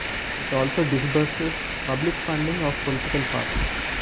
It also disburses public funding of political parties.